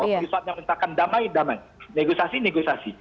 kalau ustadznya minta damai damai negosiasi negosiasi